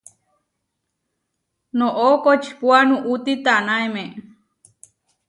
Noʼó koʼčipua nuʼúti tanaemé.